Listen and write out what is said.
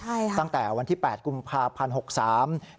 ใช่ครับตั้งแต่วันที่๘กลุ่มภาพรรณภาพศรี๖๓